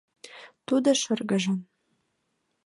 Тудо шыргыжын.